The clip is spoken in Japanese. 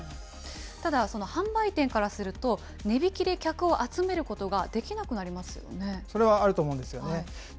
ただ、販売店からすると、値引きで客を集めることができなくそれはあると思うんですよね。